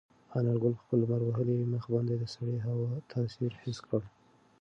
انارګل په خپل لمر وهلي مخ باندې د سړې هوا تاثیر حس کړ.